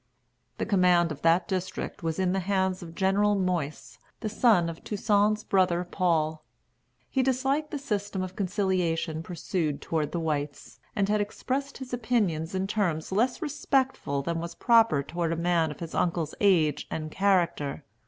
The command of that district was in the hands of General Moyse, the son of Toussaint's brother Paul. He disliked the system of conciliation pursued toward the whites, and had expressed his opinions in terms less respectful than was proper toward a man of his uncle's age and character.